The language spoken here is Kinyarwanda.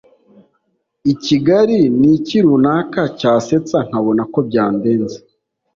ikigali niki runaka cyasetsa nkabona ko byandenze